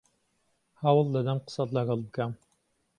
هەوڵ دەدەم قسەت لەگەڵ بکەم.